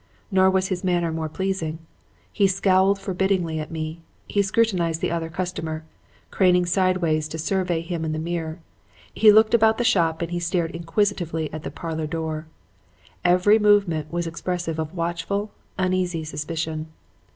Nor was his manner more pleasing. He scowled forbiddingly at me, he scrutinized the other customer, craning sideways to survey him in the mirror, he looked about the shop and he stared inquisitively at the parlor door. Every movement was expressive of watchful, uneasy suspicion.